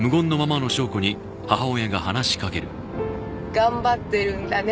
頑張ってるんだね